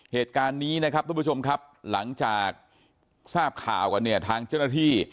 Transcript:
เหตุการณ์นี้นะครับทุกผู้ชมครับหลังจากทราบข่าวกันเนี่ยทางเจ้าหน้าที่